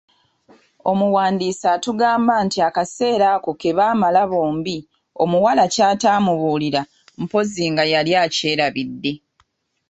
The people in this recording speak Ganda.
Omuwandiisi atugamba nti akaseera ako kebaamala bombi, omuwala ky’ataamubuulira mpozzi nga yali akyerabidde.